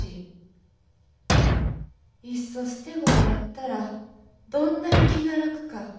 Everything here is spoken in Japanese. いっそ捨て子であったらどんなに気が楽か。